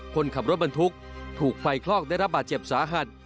คนขับรถบรรทุกถูกไฟคลอกได้รับบาดเจ็บสาหัส